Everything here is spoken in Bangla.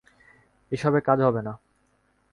এসবে কাজ হবে না।